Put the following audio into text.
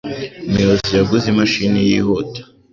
Umuyobozi yaguze imashini yihuta.